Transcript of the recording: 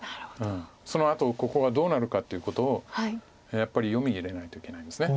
そのあとここがどうなるかということをやっぱり読みに入れないといけないんです。